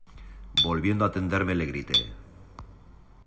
volviendo a tenderme le grité: